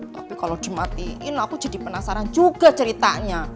tapi kalau dimatiin aku jadi penasaran juga ceritanya